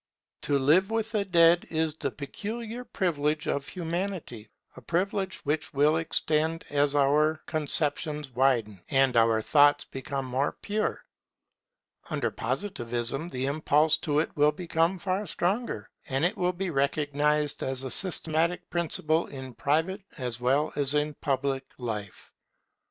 To live with the dead is the peculiar privilege of Humanity, a privilege which will extend as our conceptions widen and our thoughts become more pure. Under Positivism the impulse to it will become far stronger, and it will be recognized as a systematic principle in private as well as in public life.